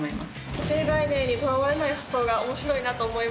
「固定概念にとらわれない発想が面白いなと思いました」